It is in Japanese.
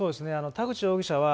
田口容疑者は、